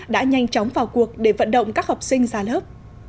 đã nhanh chóng vào cuộc để vận động các học sinh ra lớp